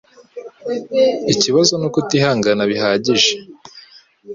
Ikibazo nuko utihangana bihagije.